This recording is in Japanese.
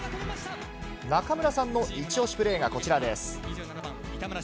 中村さんのイチオシプレーがこちらです。